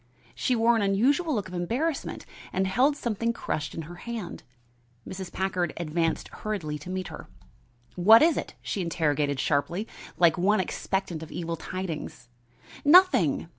She wore an unusual look of embarrassment and held something crushed in her hand. Mrs. Packard advanced hurriedly to meet her. "What is it?" she interrogated sharply, like one expectant of evil tidings. "Nothing!